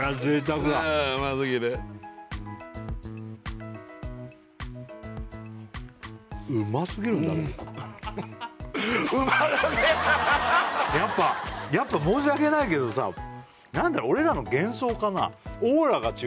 うますぎるんだけどうんやっぱやっぱ申し訳ないけどさ何だろう俺らの幻想かな？